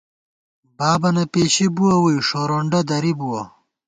بابَنہ پېشی بُوَہ ووئی، ݭورونڈہ درِبُوَہ